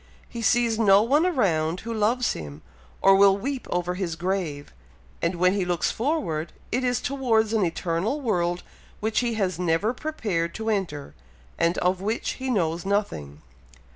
He sees no one around who loves him, or will weep over his grave; and when he looks forward, it is towards an eternal world which he has never prepared to enter, and of which he knows nothing."